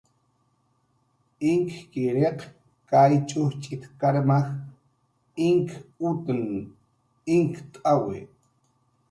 Inkkiriq kay ch'ujchit karmaj inkutn inkt'awi.